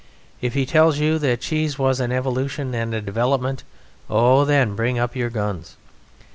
If he tells you that cheese was an evolution and a development, oh! then! bring up your guns!